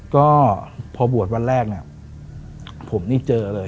ก็พอบวชวันแรกนี่